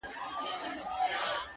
دښایستونو خدایه اور ته به مي سم نیسې _